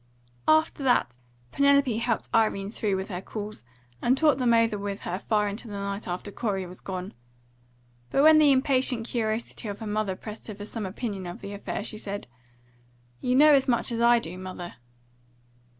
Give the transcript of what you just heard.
After that Penelope helped Irene through with her calls, and talked them over with her far into the night after Corey was gone. But when the impatient curiosity of her mother pressed her for some opinion of the affair, she said, "You know as much as I do, mother."